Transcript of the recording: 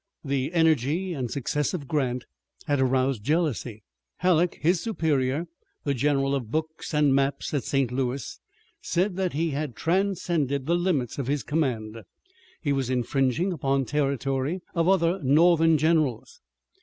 The energy and success of Grant had aroused jealousy. Halleck, his superior, the general of books and maps at St. Louis, said that he had transcended the limits of his command. He was infringing upon territory of other Northern generals.